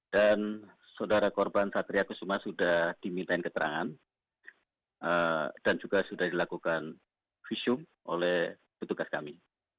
dan saudara korban satriak usuma sudah diminta keterangan dan juga sudah dilakukan visum oleh petugas kami